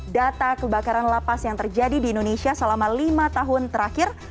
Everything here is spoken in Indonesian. data kebakaran lapas yang terjadi di indonesia selama lima tahun terakhir